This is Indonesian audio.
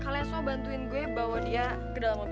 kalian so bantuin gue bawa dia ke dalam mobil